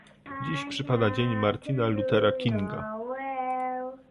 Dziś przypada Dzień Martina Luthera Kinga